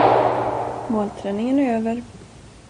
Målträningen är över.